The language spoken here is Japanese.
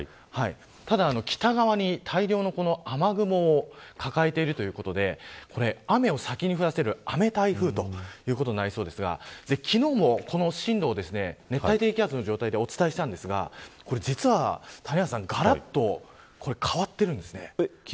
ただ北側に、大量の雨雲を抱えているということで雨を先に降らせる雨台風ということになりそうですが昨日も進路を熱帯低気圧の状態でお伝えしましたが実はがらっと変わっているんです。